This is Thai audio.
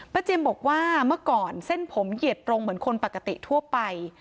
เจมส์บอกว่าเมื่อก่อนเส้นผมเหยียดตรงเหมือนคนปกติทั่วไป